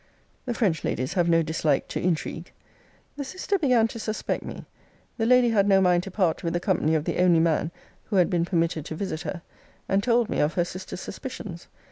The French ladies have no dislike to intrigue. 'The sister began to suspect me: the lady had no mind to part with the company of the only man who had been permitted to visit her; and told me of her sister's suspicions.